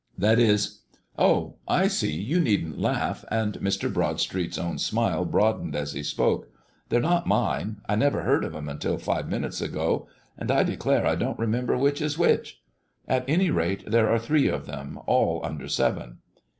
That is Oh, I see; you needn't laugh," and Mr. Broadstreet's own smile broadened as he spoke, "they're not mine. I never heard of them until five minutes ago, and I declare I don't remember which is which. At any rate there are three of them, all under seven."